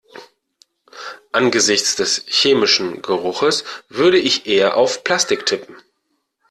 Angesichts des chemischen Geruchs würde ich eher auf Plastik tippen.